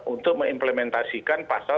untuk mengimplementasikan pasal